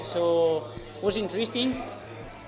kami menikmati setiap kali di sini